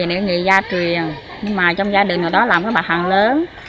thì cô không có nghề này nghề gia truyên nhưng mà trong gia đình này đó làm có bà hàng lớn